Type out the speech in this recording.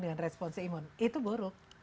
dengan responsi imun itu buruk